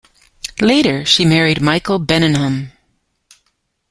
Later, she married Michael Bennahum.